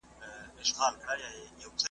تا خو د یاجوجو له نکلونو بېرولي وو .